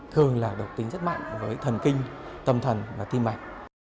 thường là độc tính rất mạnh với thần kinh tâm thần và tim mạch